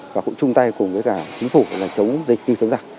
và cũng chung tay cùng với cả chính phủ là chống dịch như chúng ta